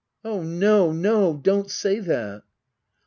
Oh no, no — don't say that